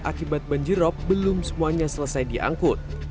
akibat banjir rob belum semuanya selesai diangkut